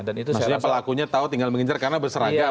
maksudnya pelakunya tahu tinggal menginjar karena berseragam ya